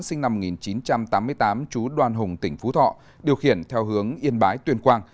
sinh năm một nghìn chín trăm tám mươi tám chú đoan hùng tỉnh phú thọ điều khiển theo hướng yên bái tuyên quang